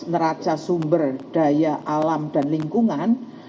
neraca sumber daya alam dan lingkungan